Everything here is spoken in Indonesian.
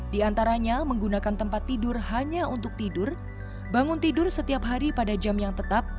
di antaranya menggunakan tempat tidur hanya untuk tidur bangun tidur setiap hari pada jam yang tetap